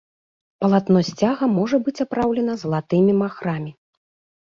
Палатно сцяга можа быць апраўлена залатымі махрамі.